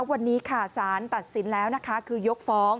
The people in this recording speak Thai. วันนี้ค่ะสารตัดสินแล้วนะคะคือยกฟ้อง